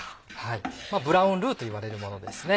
ブラウンルーといわれるものですね。